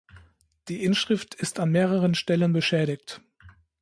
Die Inschrift ist an mehreren Stellen beschädigt.